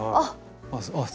あっ。